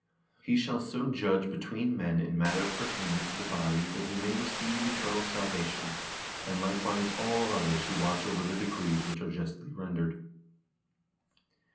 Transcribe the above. He shall so judge between men in matters pertaining to the body that he may receive eternal salvation, and likewise all others who watch over the decrees which are justly rendered.